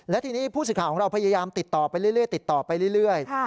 และทีนี้ผู้ศึกขาของเราพยายามติดต่อไปเรื่อย